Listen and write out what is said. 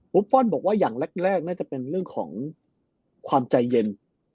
ฟอลบอกว่าอย่างแรกน่าจะเป็นเรื่องของความใจเย็น